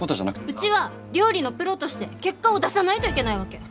うちは料理のプロとして結果を出さないといけないわけ。